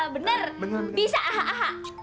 bener bisa ah ah ah